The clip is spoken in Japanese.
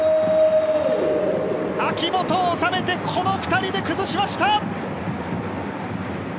明本収めて、この２人で崩しました。